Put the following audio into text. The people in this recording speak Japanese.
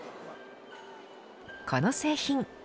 この製品。